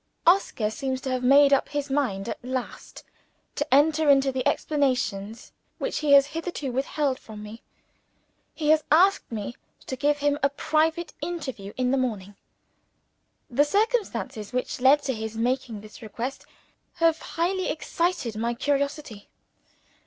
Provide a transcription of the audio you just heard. Oscar seems to have made up his mind at last to enter into the explanations which he has hitherto withheld from me. He has asked me to give him a private interview in the morning. The circumstances which led to his making this request have highly excited my curiosity.